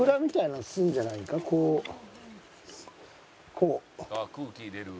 こう。